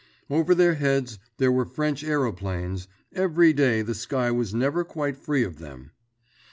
Over their heads there were French aeroplanes, every day the sky was never quite free of them.